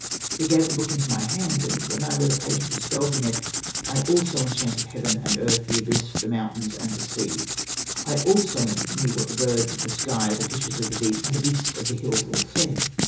He gave the book into my hands ; and when I read a page of the spells in it I also enchanted heaven and earth, the abyss, the mountains, and the sea ; I also knew what the birds of the sky, the fishes of the deep, and the beasts of the hills all said.